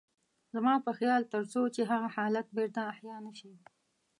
زما په خيال تر څو چې هغه حالت بېرته احيا نه شي.